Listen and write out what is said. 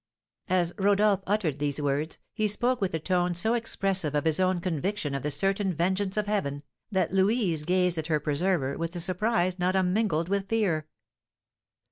As Rodolph uttered these words, he spoke with a tone so expressive of his own conviction of the certain vengeance of Heaven, that Louise gazed at her preserver with a surprise not unmingled with fear.